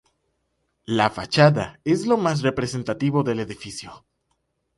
La fachada es lo más representativo del edificio.